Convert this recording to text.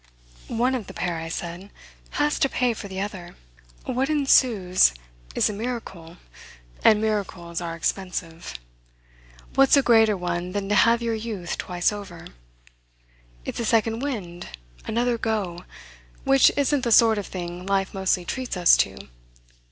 "One of the pair," I said, "has to pay for the other. What ensues is a miracle, and miracles are expensive. What's a greater one than to have your youth twice over? It's a second wind, another 'go' which isn't the sort of thing life mostly treats us to.